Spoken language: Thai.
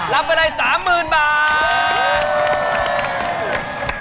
รับเวลา๓๐๐๐๐บาท